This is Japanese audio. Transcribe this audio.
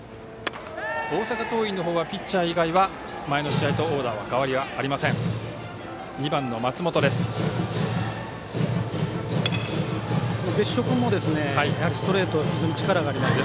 大阪桐蔭の方はピッチャー以外は前の試合と変わりはありません。